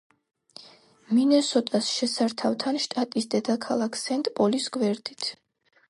მინესოტას შესართავთან, შტატის დედაქალაქ სენტ-პოლის გვერდით.